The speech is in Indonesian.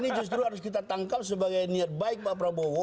ini justru harus kita tangkal sebagai niat baik pak prabowo